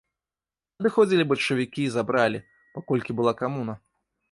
Адыходзілі бальшавікі і забралі, паколькі была камуна.